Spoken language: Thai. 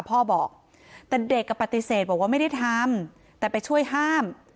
พ่อบอกแต่เด็กปฏิเสธบอกว่าไม่ได้ทำแต่ไปช่วยห้าม